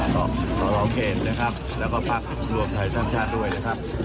ขอบขอบอาวเกณฑ์นะครับแล้วก็ปั๊กใส่ช่างชาติด้วยนะครับ